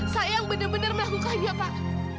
saya yang benar benar melakukan ini pak